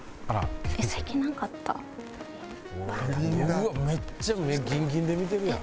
うわっめっちゃ目ギンギンで見てるやん。